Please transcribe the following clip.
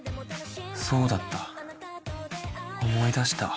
そうだった思い出した。